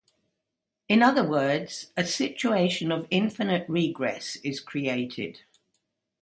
In other words, a situation of infinite regress is created.